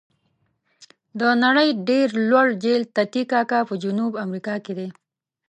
د نړۍ ډېر لوړ جهیل تي تي کاکا په جنوب امریکا کې دی.